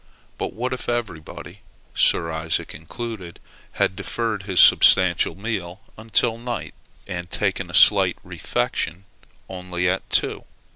But what if everybody, Sir Isaac included, had deferred his substantial meal until night, and taken a slight refection only at two?